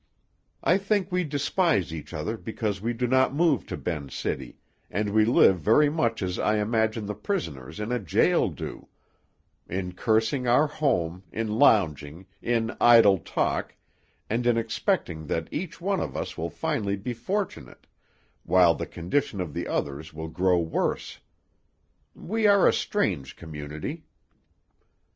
I think we despise each other because we do not move to Ben's City, and we live very much as I imagine the prisoners in a jail do, in cursing our home, in lounging, in idle talk, and in expecting that each one of us will finally be fortunate, while the condition of the others will grow worse. We are a strange community."